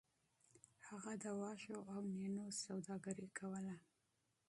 هغه د وږو او نینو سوداګري کوله.